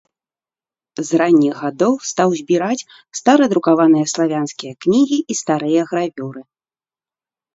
З ранніх гадоў стаў збіраць старадрукаваныя славянскія кнігі і старыя гравюры.